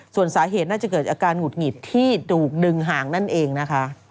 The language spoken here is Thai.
ส่วนสาเหตุน่าจะเกิดอาการหงุดหงิดที่ถูกดึงห่างนั่นเองนะคะ